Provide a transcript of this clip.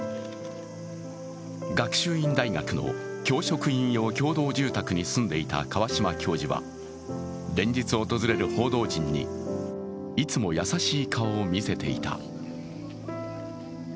学習院大学の教職員用共同住宅に住んでいた川嶋教授は連日訪れる報道陣にいつも優しい顔を見せていた。